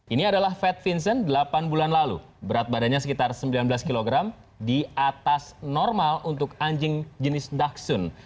ini adalah fat vincent delapan bulan lalu berat badannya sekitar sembilan belas kg di atas normal untuk anjing jenis daksun